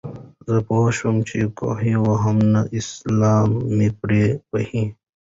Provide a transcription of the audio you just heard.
زۀ پوهه شوم چې کوهے وهي نو سلام مو پرې ووې